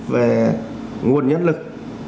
về nguồn nhân lực